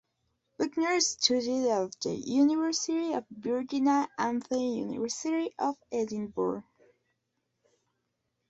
Buckner studied at the University of Virginia and the University of Edinburgh.